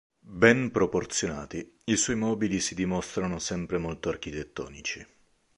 Ben proporzionati, i suoi mobili si dimostrarono sempre molto architettonici.